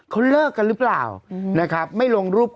คุณแม่ของคุณแม่ของคุณแม่ของคุณแม่